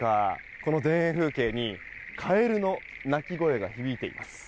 この田園風景にカエルの鳴き声が響いています。